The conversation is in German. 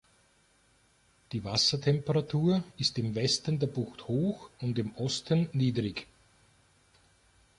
Die Wassertemperatur ist im Westen der Bucht hoch und im Osten niedrig.